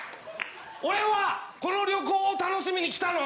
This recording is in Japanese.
俺はこの旅行を楽しみに来たの！